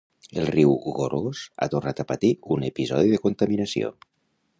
El riu Gorgos ha tornat a patir un episodi de contaminació